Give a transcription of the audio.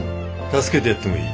助けてやってもいい。